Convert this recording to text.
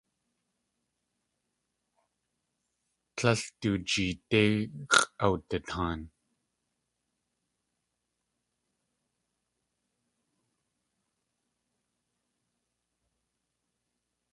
Tlél du jeedé x̲ʼawdataan.